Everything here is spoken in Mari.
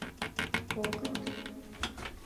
Огыт?